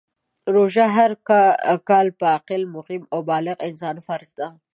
روژه هر کال په عاقل ، مقیم او بالغ انسان فرض ده .